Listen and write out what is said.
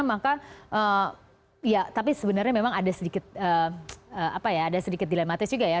maka ya tapi sebenarnya memang ada sedikit apa ya ada sedikit dilematis juga ya